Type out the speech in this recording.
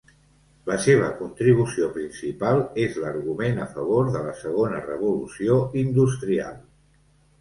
La seva contribució principal és l'argument a favor de la segona revolució industrial.